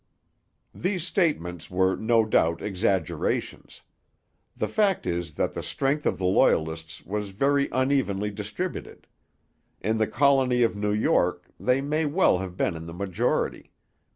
These statements were no doubt exaggerations. The fact is that the strength of the Loyalists was very unevenly distributed. In the colony of New York they may well have been in the majority.